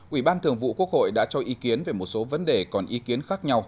ủy ban thường vụ quốc hội đã cho ý kiến về một số vấn đề còn ý kiến khác nhau